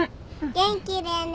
元気でね。